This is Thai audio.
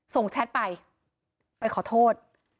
แชทไปไปขอโทษ